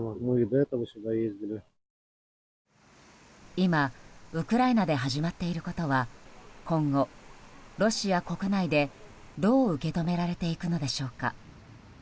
今、ウクライナで始まっていることは今後、ロシア国内でどう受け止められていくのでしょうか。